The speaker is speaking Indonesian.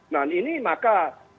nah ini maka